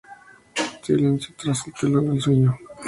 Silencio tras el telón del sueño